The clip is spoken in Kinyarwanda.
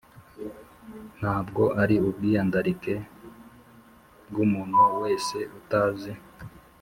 ntabwo ari ubwiyandarike bw aUmuntu wese utazi